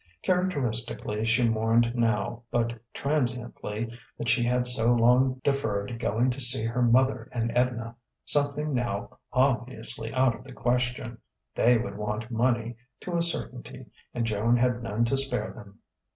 Characteristically, she mourned now, but transiently, that she had so long deferred going to see her mother and Edna something now obviously out of the question; they would want money, to a certainty, and Joan had none to spare them.